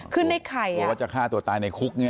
กลัวว่าจะฆ่าตัวตายในคุกเนี่ย